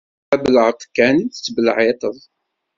D abelεeṭ kan i tettbelεiṭed.